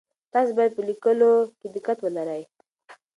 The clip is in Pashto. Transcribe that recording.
تاسو باید په لیکلو کي دقت ولرئ.